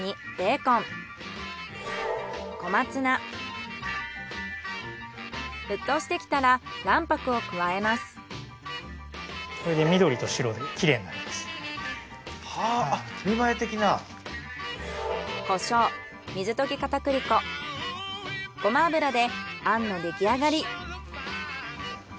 コショウ水溶き片栗粉ごま油であんのできあがり。